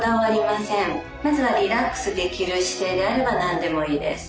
まずはリラックスできる姿勢であれば何でもいいです。